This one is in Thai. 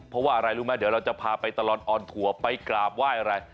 เพราะว่าอะไรรู้ไหมเดี๋ยวเราจะพาไปตลอดออนทัวร์ไปกราบไหว้อะไร